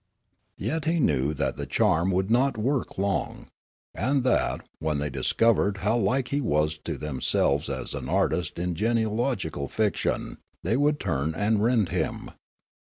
Yet he knew that the charm would not work long, and that, when they discovered how like he was to themselves as an artist in genealogical fiction, they would turn and rend him.